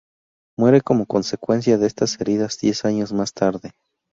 Muere como consecuencia de estas heridas diez años más tarde.